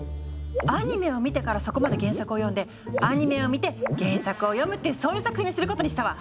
アニメを見てからそこまで原作を読んでアニメを見て原作を読むってそういう作戦にすることにしたわ！